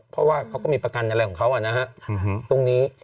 เพราะว่าเขาก็มีประกันอะไรของเขานะฮะตรงนี้